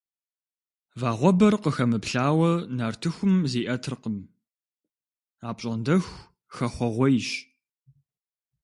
Вагъуэбэр къыхэмыплъауэ нартыхум зиӏэтыркъым, апщӏондэху хэхъуэгъуейщ.